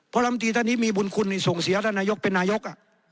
เพราะลำตีท่านนี้มีบุญคุณส่งเสียท่านนายกเป็นนายก